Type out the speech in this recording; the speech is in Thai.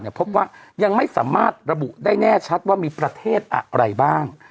ดังกล่าวเนี่ยพบว่ายังไม่สามารถระบุได้แน่ชัดว่ามีประเทศอะไรบ้าง